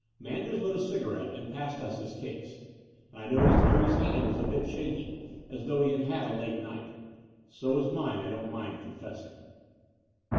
Manders lit a cigarette and passed us his case; and I noticed Harry's hand was a bit shaky, as though he had had a late night. So was mine, I don't mind confessing.